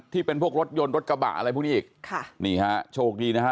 ที่เป็นพวกรถยนต์รถกระบะอะไรพวกนี้อีกค่ะนี่ฮะโชคดีนะฮะ